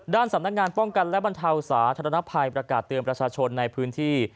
ด้านสำนักงานป้องกันและบรรเทาสาธารณภัยประกาศเตือนประชาชนในพื้นที่